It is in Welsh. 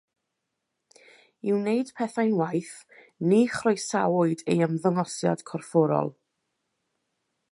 I wneud pethau'n waeth, ni chroesawyd ei ymddangosiad corfforol.